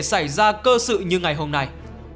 xảy ra cơ sự như ngày hôm nay